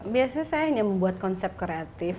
biasanya saya hanya membuat konsep kreatif